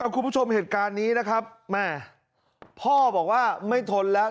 คุณผู้ชมเหตุการณ์นี้นะครับแม่พ่อบอกว่าไม่ทนแล้ว